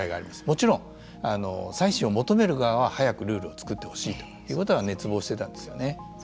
もちろん再審を求める側は早くルールを作ってほしいということは熱望していたんですよね。